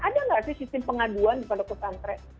ada nggak sih sistem pengaduan di pondok pesantren